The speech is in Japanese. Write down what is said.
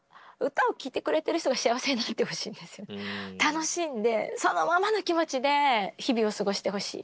つまりは楽しんでそのままの気持ちで日々を過ごしてほしい。